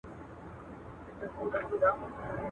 o بې وخته مېلمه ئې د خپله بخته خوري.